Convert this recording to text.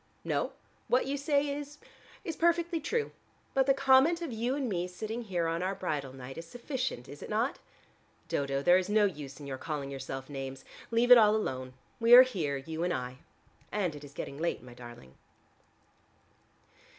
"No. What you say is is perfectly true. But the comment of you and me sitting here on our bridal night is sufficient, is it not? Dodo, there is no use in your calling yourself names. Leave it all alone: we are here, you and I. And it is getting late, my darling."